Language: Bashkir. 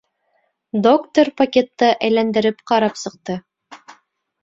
Доктор пакетты әйләндерел ҡарап сыҡты.